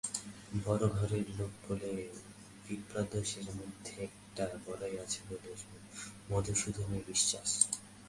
বড়ো ঘরের লোক বলে বিপ্রদাসের মনের মধ্যে একটা বড়াই আছে বলে মধুসূদনের বিশ্বাস।